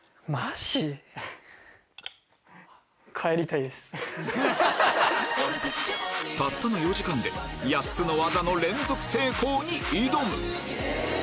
たったの４時間で８つの技の連続成功に挑む！